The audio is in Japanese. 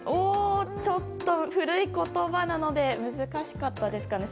ちょっと古い言葉なので難しかったですかね。